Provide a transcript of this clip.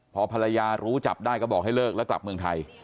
พอภรรยารู้จับได้ก็บอกให้เลิกแล้วกลับเมืองไทย